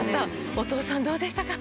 お父さんどうでしたか？